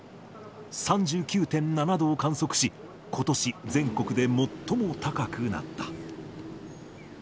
３９．７度を観測し、ことし全国で最も高くなった。